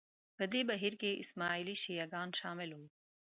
په دې بهیر کې اسماعیلي شیعه ګان شامل وو